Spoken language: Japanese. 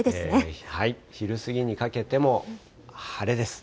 昼過ぎにかけても晴れです。